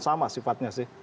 sama sifatnya sih